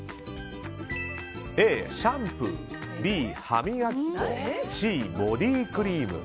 Ａ、シャンプーＢ、歯磨き粉Ｃ、ボディークリーム。